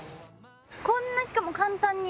こんなしかも簡単に。